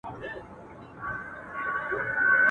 ورته وغوړوي مخ ته د مرګ پړی !.